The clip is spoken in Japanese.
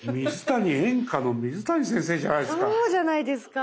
演歌の水谷先生じゃないですか。